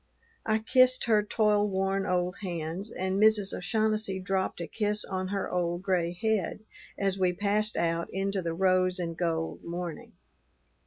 I kissed her toilworn old hands, and Mrs. O'Shaughnessy dropped a kiss on her old gray head as we passed out into the rose and gold morning.